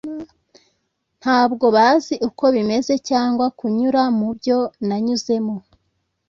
ntabwo bazi uko bimeze cyangwa kunyura mubyo nanyuzemo